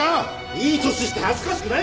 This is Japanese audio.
いい年して恥ずかしくないのか！